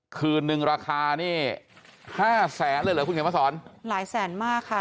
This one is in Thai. คืนนึงราคานี่ห้าแสนเลยเหรอคุณเขียนมาสอนหลายแสนมากค่ะ